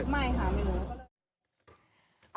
ไม่ค่ะไม่รู้